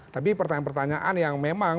tapi pertanyaan pertanyaan yang memang